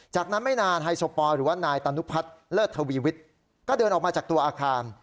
จากนั้นไม่นานไฮโซปอลหรือว่านายตานุพัฒน์เลิศทวีวิทย์ก็เดินออกมาจากตัวอาคาร